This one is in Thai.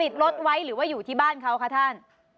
ติดรถไว้หรือว่าอยู่ที่บ้านเขาคะท่าน